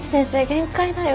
限界だよ。